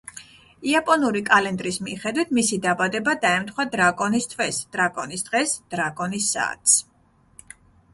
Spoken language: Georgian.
იაპონური კალენდრის მიხედვით, მისი დაბადება დაემთხვა დრაკონის თვეს, დრაკონის დღეს, დრაკონის საათს.